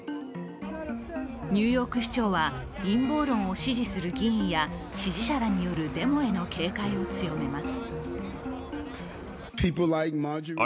ニューヨーク市長は陰謀論を支持する議員や支持者らによるデモへの警戒を強めます。